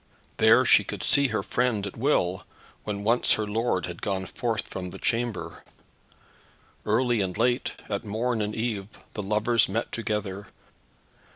There she could see her friend at will, when once her lord had gone forth from the chamber. Early and late, at morn and eve, the lovers met together.